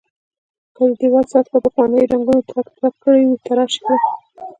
که د دېوال سطحه پخوانیو رنګونو ترک ترک کړې وي تراش کړئ.